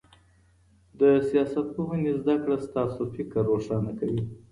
د سياست پوهني زده کړه ستاسو فکر روښانه کوي.